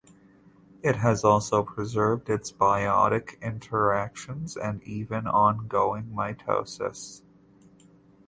It has also preserved its biotic interactions and even ongoing mitosis.